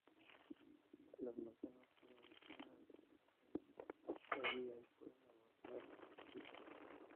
Las manzanas tienen una maduración tardía y pueden almacenarse hasta abril.